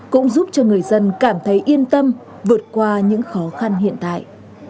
cũng giúp cho người dân cảm thấy yên tâm vượt qua những khó khăn hiện tại